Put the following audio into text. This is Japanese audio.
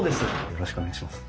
よろしくお願いします。